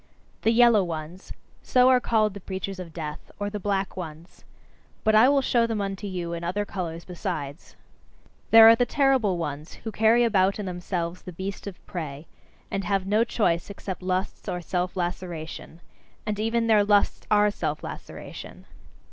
"The yellow ones": so are called the preachers of death, or "the black ones." But I will show them unto you in other colours besides. There are the terrible ones who carry about in themselves the beast of prey, and have no choice except lusts or self laceration. And even their lusts are self laceration.